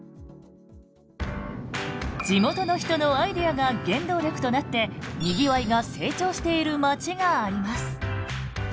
地元の人のアイデアが原動力となってにぎわいが成長しているまちがあります。